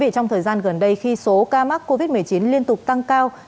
trong thời gian gần đây khi số ca mắc covid một mươi chín liên tục tăng cao